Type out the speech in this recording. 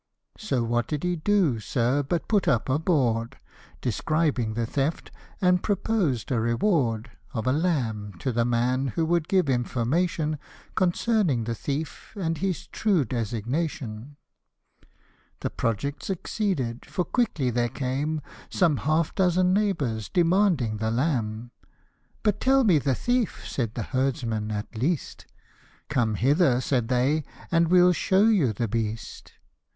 So what did he do, sir, but put up a board, Describing the theft, and proposed a reward Of a lamb to the man who would give information Concerning the thief, and his true designation. 26 The project succeeded ; for soon there applied A certain near neighbour, with others beside. " But tell me the thief !" said the herdsman, " at least ;"" Come hither/' said they, " and we'll show you the beast."